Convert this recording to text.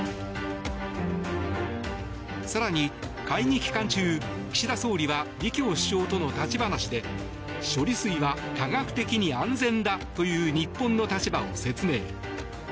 更に、会議期間中岸田総理は李強首相との立ち話で処理水は科学的に安全だという日本の立場を説明。